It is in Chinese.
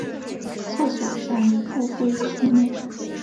厕所在付费区内。